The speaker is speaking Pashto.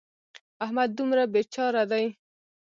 احمد دومره بې چاره دی.